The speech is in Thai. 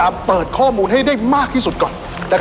อัศวินตรีอัศวินตรี